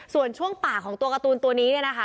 ส่วนช่วงปากของตัวการ์ตูนตัวนี้เนี่ยนะคะ